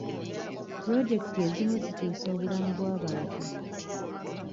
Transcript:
Pulojekiti ezimu zikyusa obulamu bw'abantu.